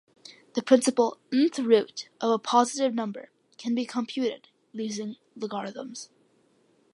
The principal "n"th root of a positive number can be computed using logarithms.